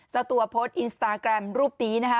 เจ้าตัวโพสต์อินสตาแกรมรูปนี้นะคะ